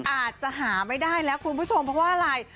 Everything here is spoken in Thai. อาจจะหาไม่ได้แล้วคุณผู้ชมเพราะว่าอะไร